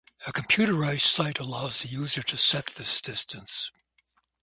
A computerized sight allows the user to set this distance.